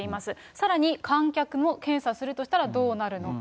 さらに観客も検査するとしたらどうなるのか。